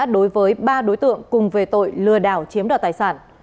đối với ba đối tượng cùng về tội lừa đảo chiếm đoạt tài sản